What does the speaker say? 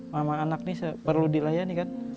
mama anak ini perlu dilayani kan